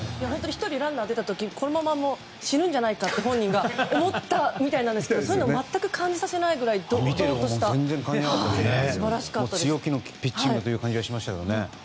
１人ランナーが出た時このまま死ぬんじゃないかって本人が思ったみたいですがそういうの全く感じさせないくらい堂々として強気のピッチングという感じがしました。